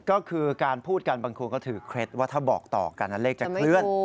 ก็คือการพูดกันบางคนก็ถือเคล็ดว่าถ้าบอกต่อกันเลขจะเคลื่อน